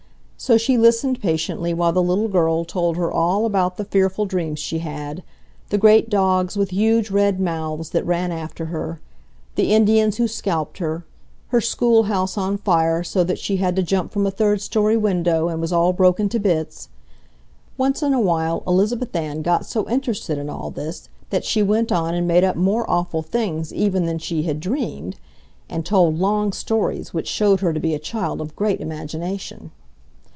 So she listened patiently while the little girl told her all about the fearful dreams she had, the great dogs with huge red mouths that ran after her, the Indians who scalped her, her schoolhouse on fire so that she had to jump from a third story window and was all broken to bits—once in a while Elizabeth Ann got so interested in all this that she went on and made up more awful things even than she had dreamed, and told long stories which showed her to be a child of great imagination.